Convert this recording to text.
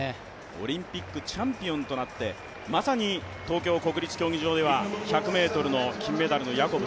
オリンピックチャンピオンとなってまさに東京国立競技場では、１００ｍ金メダルのヤコブ。